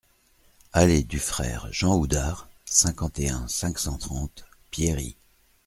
Allée du Frère Jean Oudart, cinquante et un, cinq cent trente Pierry